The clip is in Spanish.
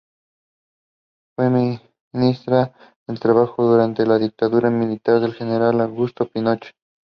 Fue ministra del Trabajo durante la dictadura militar del general Augusto Pinochet.